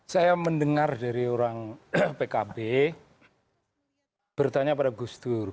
saya mendengar dari orang pkb bertanya pada gus dur